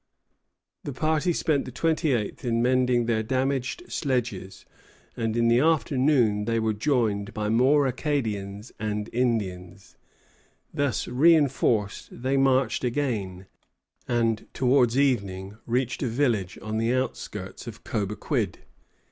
The party spent the 28th in mending their damaged sledges, and in the afternoon they were joined by more Acadians and Indians. Thus reinforced, they marched again, and towards evening reached a village on the outskirts of Cobequid.